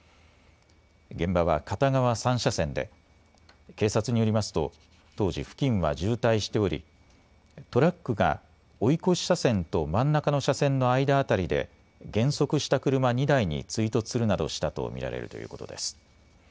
現場は片側３車線で警察によりますと当時、付近は渋滞しており、トラックが追い越し車線と真ん中の車線の間辺りで減速した車２台に追突するなどしたと見られるということです。